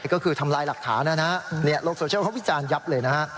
ก็คือทำลายหลักฐานนะฮะโลกโซเชียลเขาวิจารณ์ยับเลยนะฮะ